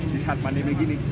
di saat pandemi begini